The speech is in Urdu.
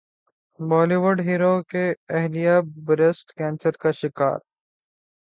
بولی وڈ ہیرو کی اہلیہ بریسٹ کینسر کا شکار